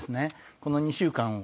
この２週間を。